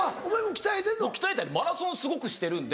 鍛えたりマラソンすごくしてるんで。